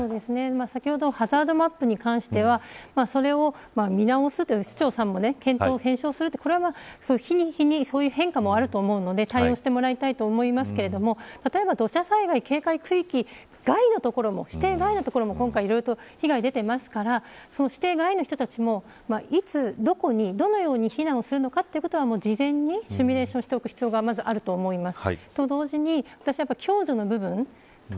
先ほどのハザードマップに関してはそれを見直すという市長さんの検討するという日に日に変化もあるというので対応してもらいたいと思いますが土砂災害警戒区域外の所も被害が出ていますからその指定外の人たちもいつどこへ、どのように避難をするのかシミュレーションをしておく必要があると思います。